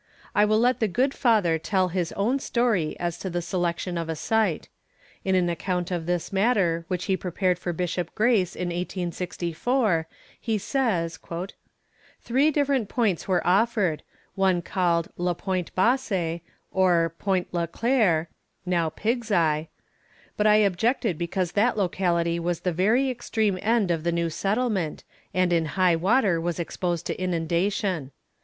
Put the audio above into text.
I will let the good father tell his own story as to the selection of a site. In an account of this matter, which he prepared for Bishop Grace in 1864, he says: "Three different points were offered, one called La Pointe Basse, or Pointe La Claire (now Pig's Eye); but I objected because that locality was the very extreme end of the new settlement, and in high water, was exposed to inundation.